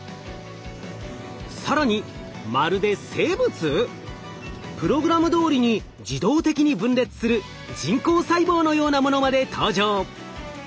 更にプログラムどおりに自動的に分裂する人工細胞のようなものまで登場！